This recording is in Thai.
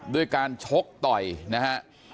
ด้วยการชกต่อยนะฮะ